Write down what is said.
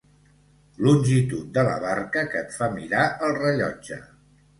Longitud de la barca que et fa mirar el rellotge.